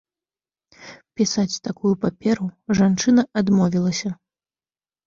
Пісаць такую паперу жанчына адмовілася.